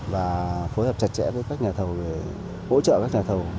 và phối hợp chặt chẽ với các nhà thầu để hỗ trợ các nhà thầu